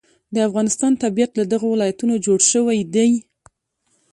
د افغانستان طبیعت له دغو ولایتونو جوړ شوی دی.